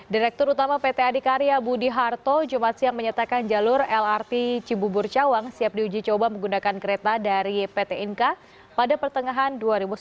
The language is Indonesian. direktur utama pt adikarya budi harto jumat siang menyatakan jalur lrt cibubur cawang siap diuji coba menggunakan kereta dari pt inka pada pertengahan dua ribu sembilan belas